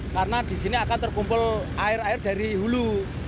karena di sini akan terkumpul air air dari hulu